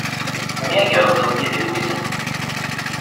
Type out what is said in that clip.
Temyagreḍ iḍelli d Lwiza.